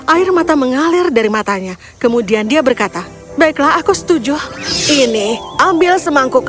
air mata mengalir dari matanya kemudian dia berkata baiklah aku setuju ini ambil semangkuk